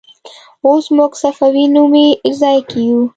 اوس موږ صفوي نومې ځای کې یو.